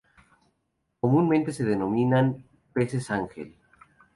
Comúnmente se denominan peces ángel.